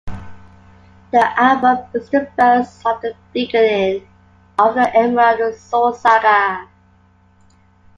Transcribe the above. The album is the first of the beginning of the Emerald Sword Saga.